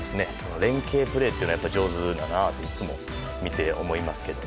連係プレーというのが上手だなといつも見ていて思いますけどね。